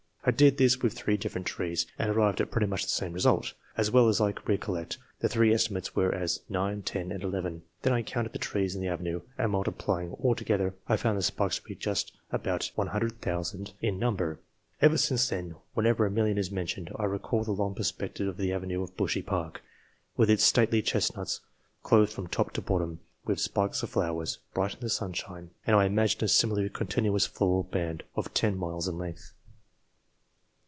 I did this with three different trees, and arrived at pretty much the same result : as well as I recollect, the three estimates were as nine, ten, and eleven. Then I counted the trees in the avenue, and, multiplying all to gether, I found the spikes to be just about 100,000 in number. Ever since then, whenever a million is mentioned, I recall the long perspective of the avenue of Bushey Park, with its stately chestnuts clothed from top to bottom with spikes of flowers, bright in the sunshine, and I imagine a similarly continuous floral band, often miles in length.